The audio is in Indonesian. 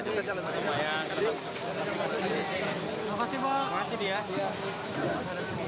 terima kasih dia